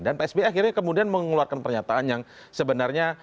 dan pak sby akhirnya kemudian mengeluarkan pernyataan yang sebenarnya